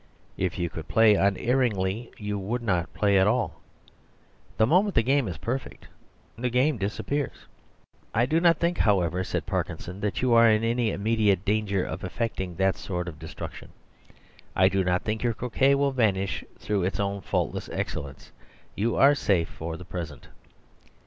If you could play unerringly you would not play at all. The moment the game is perfect the game disappears." "I do not think, however," said Parkinson, "that you are in any immediate danger of effecting that sort of destruction. I do not think your croquet will vanish through its own faultless excellence. You are safe for the present."